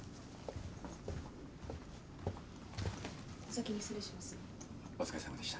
お先に失礼します。